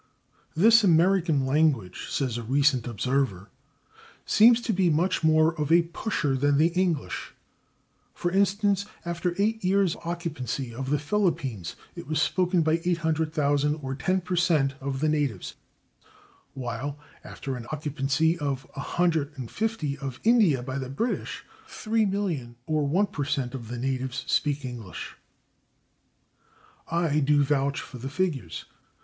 "This American language," says a recent observer, "seems to be much more of a pusher than the English. For instance, after eight years' occupancy of the Philippines it was spoken by 800,000, or 10 per cent, of the natives, while after an occupancy of 150 of India by the British, 3,000,000, or one per cent, of the natives speak English." I do vouch for the figures.